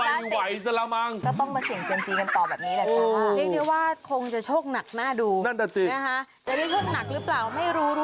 โอ๊ยหล่นแล้วไหม